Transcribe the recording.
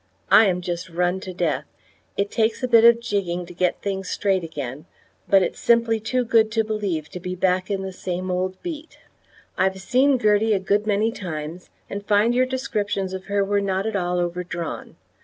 I am just run to death. It takes a bit of jigging to get things straight again, but it's simply too good to believe to be back in the same old beat. I've seen Gertie a good many times, and find your descriptions of her were not at all overdrawn.